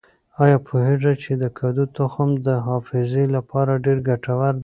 آیا پوهېږئ چې د کدو تخم د حافظې لپاره ډېر ګټور دی؟